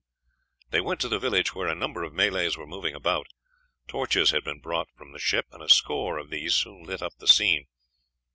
They went to the village, where a number of Malays were moving about; torches had been brought from the ship, and a score of these soon lit up the scene.